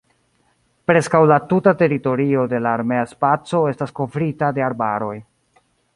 Preskaŭ la tuta teritorio de la armea spaco estas kovrita de arbaroj.